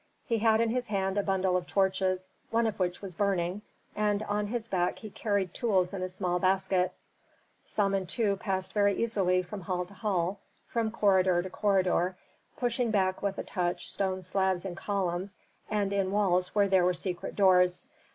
He had in his hand a bundle of torches, one of which was burning, and on his back he carried tools in a small basket. Samentu passed very easily from hall to hall, from corridor to corridor, pushing back with a touch stone slabs in columns and in walls where there were secret doors.